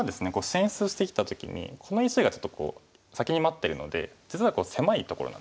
進出してきた時にこの石がちょっと先に待ってるので実は狭いところなんですよね。